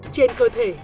trên cơ thể